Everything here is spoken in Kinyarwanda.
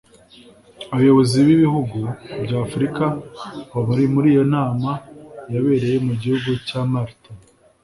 Abayobozi b’ibihugu bya Afurika bari muri iyo nama yabereye mu gihugu cya Malte